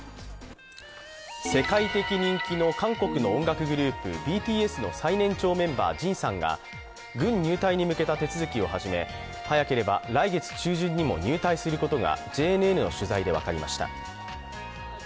世界的人気の韓国の音楽グループ、ＢＴＳの最年長メンバー、ＪＩＮさんが軍入隊に向けた手続きを始め早ければ来月中旬にも入隊することがＪＮＮの取材で分かりました。